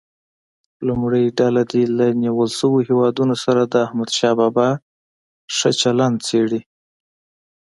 لومړۍ ډله دې له نیول شویو هیوادونو سره د احمدشاه بابا ښه چلند څېړي.